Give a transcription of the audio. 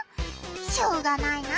しょうがないな。